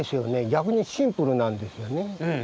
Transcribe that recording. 逆にシンプルなんですよね。